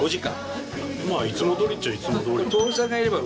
まあいつもどおりっちゃいつもどおり。